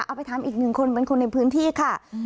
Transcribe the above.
เอาไปถามอีกนึงคนเหมือนคนในพื้นที่ค่ะ